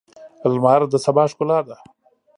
لمر د سبا ښکلا ده.